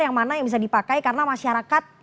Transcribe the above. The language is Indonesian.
yang mana yang bisa dipakai karena masyarakat